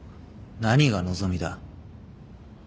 何が望みだ。